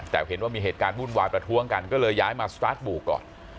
แต่เห็นว่ามีเหตุการณ์วุ่นวายประท้วงกันก็เลยย้ายมาสตาร์ทบู่ก่อน